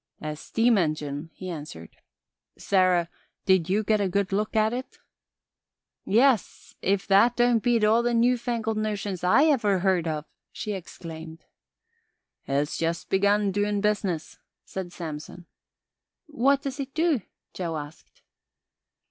"A steam engyne," he answered. "Sarah, did ye get a good look at it?" "Yes; if that don't beat all the newfangled notions I ever heard of," she exclaimed. "It's just begun doin' business," said Samson. "What does it do?" Joe asked.